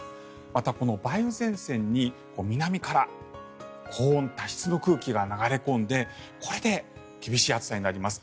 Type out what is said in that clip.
また、梅雨前線に南から高温多湿の空気が流れ込んでこれで厳しい暑さになります。